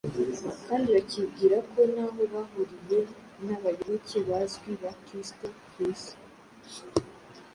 kandi bakibwira ko ntaho bahuriye n’abayoboke bazwi ba Kristo ku isi.